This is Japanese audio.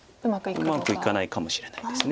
うまくいかないかもしれないです。